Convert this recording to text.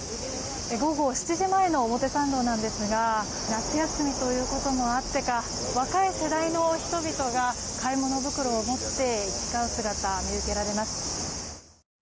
午後７時前の表参道なんですが夏休みということもあってか若い世代の人々が買い物袋を持って行き交う姿が見受けられます。